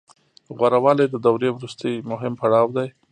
غوره والی د دورې وروستی مهم پړاو دی